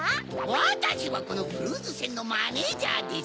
わたしはこのクルーズせんのマネジャーです。